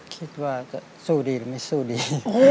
คิดว่าสู้ดีหรือไม่สู้ดี